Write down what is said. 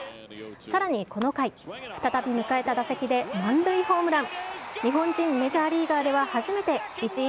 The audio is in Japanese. さらにこの回、再び迎えた打席で満塁ホームラン。